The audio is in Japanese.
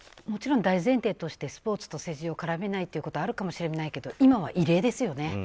もちろん大前提としてスポーツと政治を絡めないということはあるかもしれないけど今は異例ですよね。